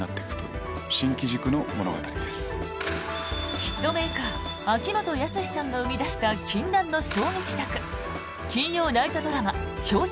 ヒットメーカー秋元康さんが生み出した速報です。